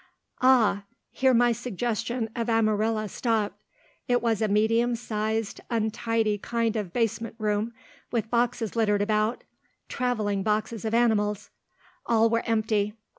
Ah! here my suggestion of Amarilla stopped it was a medium sized, untidy kind of basement room, with boxes littered about travelling boxes of animals. All were empty.